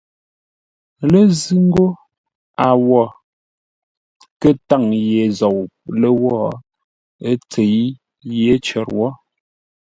Lə́ zʉ́ ńgó a wó nkə́ ntâŋ ye zou lə́wó, ə́ ntsə̌i yé cər wó.